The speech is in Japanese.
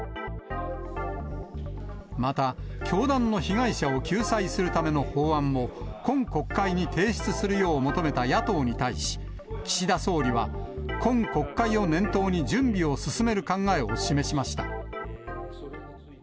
また、教団の被害者を救済するための法案も、今国会に提出するよう求めた野党に対し、岸田総理は今国会を念頭に準備を進める考えを示しました。